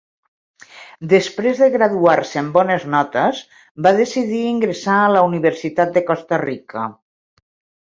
Després de graduar-se amb bones notes va decidir ingressar a la Universitat de Costa Rica.